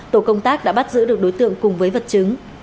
tổ công tác đã bắt giữ được đối tượng cùng với vật chứng